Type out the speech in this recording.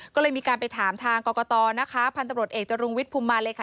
ก็เลยมีการไปถามทางกรกตพันธบริโรทเอกจรุงวิทธิ์ภูมิมาเลยค่ะ